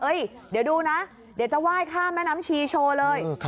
เดี๋ยวดูนะเดี๋ยวจะไหว้ข้ามแม่น้ำชีโชว์เลย